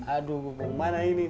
aduh mau mana ini